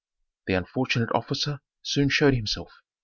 The unfortunate officer soon showed himself.